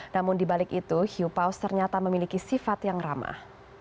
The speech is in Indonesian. namun dibalik itu hiu paus ternyata memiliki sifat yang ramah